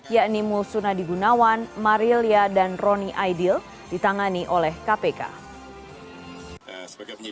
yakni mulsuna digunawan marilia dan roni aidil ditangani oleh tni